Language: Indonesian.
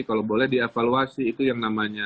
kalau boleh dievaluasi itu yang namanya